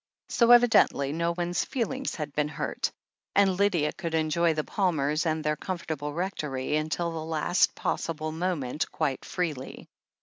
So evidently no one's feelings had been hurt, and Lydia could enjoy the Palmers and their comfortable Rectory imtil the last possible moment quite freely.